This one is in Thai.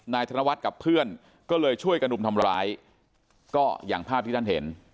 ธนวัฒน์กับเพื่อนก็เลยช่วยกระดุมทำร้ายก็อย่างภาพที่ท่านเห็น